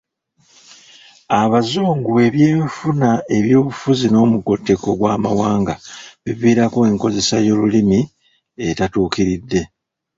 Abazungu, ebyenfuna, ebyobufuzi n'omugotteko gw'amawanga biviirako enkozesa y'olulimi etatuukiridde.